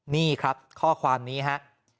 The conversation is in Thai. นี่ครับข้อความนี้ฮะ